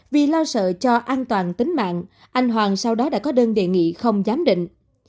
vì lo sợ cho an toàn tính mạng anh hoàng sau đó đã có đơn đề nghị không giám định